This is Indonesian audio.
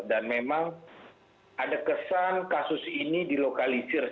dan memang ada kesan kasus ini dilokalisikan